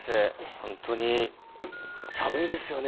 本当に寒いですよね。